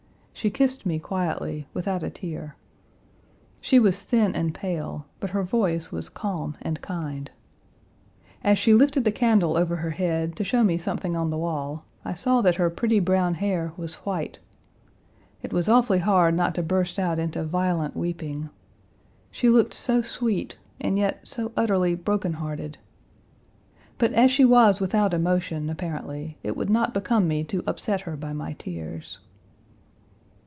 She kissed me quietly, without a tear. She was thin and pale, but her voice was calm and kind. Page 222 As she lifted the candle over her head, to show me something on the wall, I saw that her pretty brown hair was white. It was awfully hard not to burst out into violent weeping. She looked so sweet, and yet so utterly brokenhearted. But as she was without emotion, apparently, it would not become me to upset her by my tears.